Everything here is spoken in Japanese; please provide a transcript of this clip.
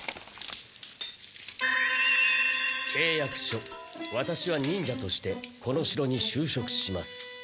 「契約書私は忍者としてこの城に就職します」。